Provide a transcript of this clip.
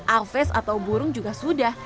arves atau burung juga sudah